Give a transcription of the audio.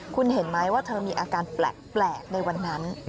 คุณเห็นไหมว่าเธอมีอาการแปลกในวันนั้น